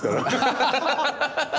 ハハハハ！